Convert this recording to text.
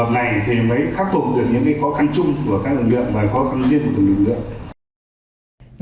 và khó khăn riêng của các lực lượng